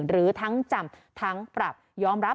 หรือทั้งจำทั้งปรับยอมรับ